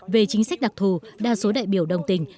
về chính sách đặc thù đa số đại biểu đồng tình